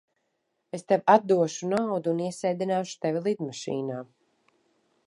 Es tev atdošu naudu un iesēdināšu tevi lidmašīnā.